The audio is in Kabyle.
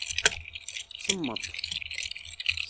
Semmeṭ.